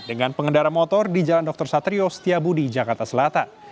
dengan pengendara motor di jalan dr satrio setiabudi jakarta selatan